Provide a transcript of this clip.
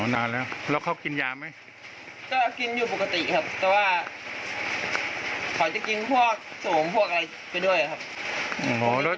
แล้วเห็นว่าทะเลาะกันจริงไหม